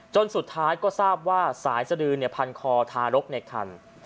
จนสุดท้ายก็ทราบว่าสายสดือพันคอทารกในคัน